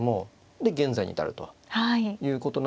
で現在に至るということなんですが。